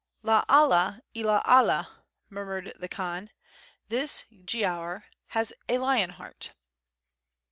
"La Allah ila Allah," murmured the Khan, "this Giaour has a lion heart."